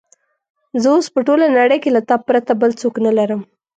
زه اوس په ټوله نړۍ کې له تا پرته بل څوک نه لرم.